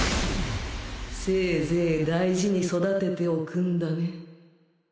せいぜい大事に育てておくんだね。